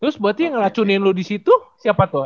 terus berarti yang ngelacunin lu disitu siapa tuh